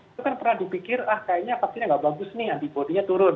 itu kan pernah dipikir ah kayaknya vaksinnya nggak bagus nih antibody nya turun